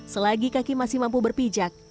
selagi kaki masih mampu berpijak